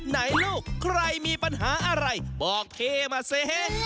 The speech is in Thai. ลูกใครมีปัญหาอะไรบอกพี่มาสิ